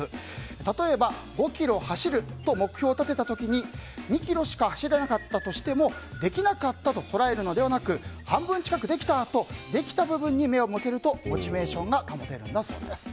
例えば、５ｋｍ走ると目標を立てた時に２ｋｍしか走れなかったとしてもできなかったと捉えるのではなく半分近くできたとできた部分に目を向けるとモチベーションが保てるんだそうです。